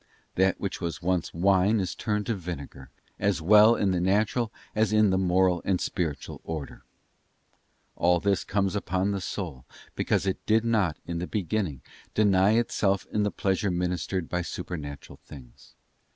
That which was once wine is turned into vinegar, as well in the natural as in the moral and spiritual order. All this comes upon the soul, because it did not in the beginning deny itself in the pleasure ministered by supernatural things.